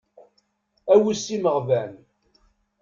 Awes imeɣban.